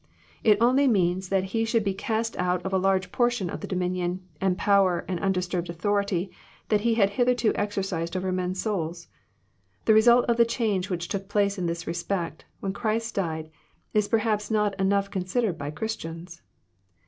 It only means that he should be cast oot of a large portion of the dominion, and power, and undisturbed authority he had hitherto exercised over men's souls. — The result of the change which took place in this respect, when Christ died, is perhaps not enough considered by Christians.